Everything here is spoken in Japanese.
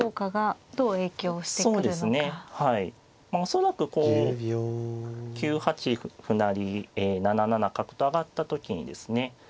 恐らくこう９八歩成７七角と上がった時にですね